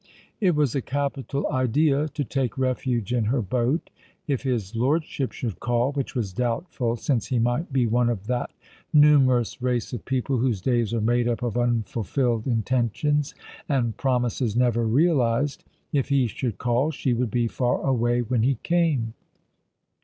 It was a capital idea to take refuge in her ^ boat. If his lord ship should call — which was doubtful — since he might be one of that numerous race of people whose days are made up of unfulfilled intentions and promises never realized — if he should call, she would be far away when he came.